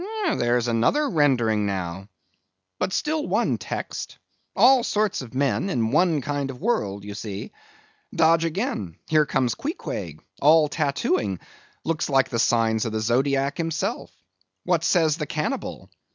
"There's another rendering now; but still one text. All sorts of men in one kind of world, you see. Dodge again! here comes Queequeg—all tattooing—looks like the signs of the Zodiac himself. What says the Cannibal?